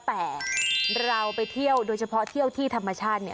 แต่เราไปเที่ยวโดยเฉพาะเที่ยวที่ธรรมชาติเนี่ย